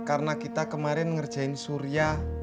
karena kita kemarin ngerjain suri